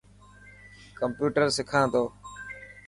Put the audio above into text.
ڪمپيوٽر سکا تو.